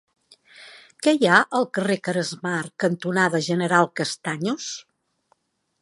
Què hi ha al carrer Caresmar cantonada General Castaños?